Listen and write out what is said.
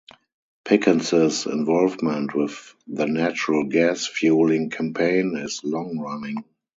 Pickens's involvement with the natural gas fueling campaign is long-running.